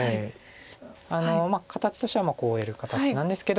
形としてはこうやる形なんですけど。